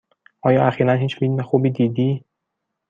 آیا اخیرا هیچ فیلم خوبی دیدی؟